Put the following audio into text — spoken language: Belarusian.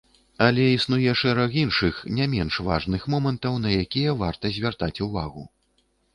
Але існуе шэраг іншых, не менш важных момантаў, на якія варта звяртаць увагу.